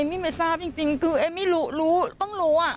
มี่ไม่ทราบจริงคือเอมไม่รู้รู้ต้องรู้อ่ะ